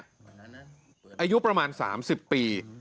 อายุประมาณ๓๐ปี